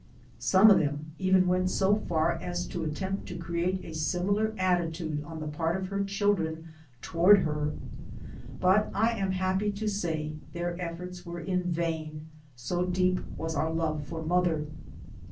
Some A NATIVE OF ANCIENT APULIA 17 of them even went so far as to attempt to create a similar attitude on the part of her children toward her; but I am happy to say their efforts were in vain, so deep was our love for mother.